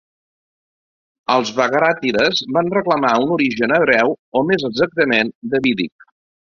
Els bagràtides van reclamar un origen hebreu o més exactament davídic.